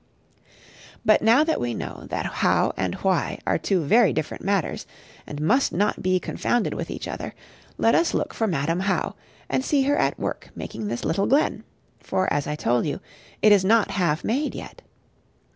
But now that we know that How and Why are two very different matters, and must not be confounded with each other, let us look for Madam How, and see her at work making this little glen; for, as I told you, it is not half made yet.